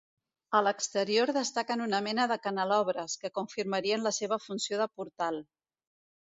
A l'exterior destaquen una mena de canelobres, que confirmarien la seva funció de portal.